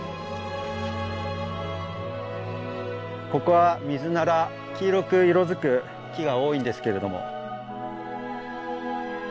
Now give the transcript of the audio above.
ここはミズナラ黄色く色づく木が多いんですけれども。